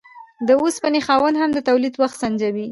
د اوسپنې خاوند هم د تولید وخت سنجوي.